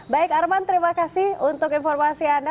baik arman terima kasih untuk informasi anda